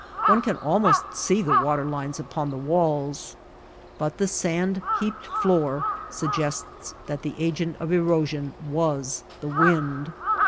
One can almost see the water lines upon the walls. But the sand heaped floor suggests that the agent of erosion was the wind.